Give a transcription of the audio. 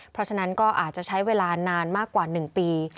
เพราะฉะนั้นก็อาจจะใช้เวลานานมากกว่า๑ปี